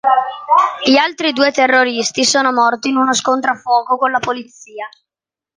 Gli altri due terroristi sono morti in uno scontro a fuoco con la polizia.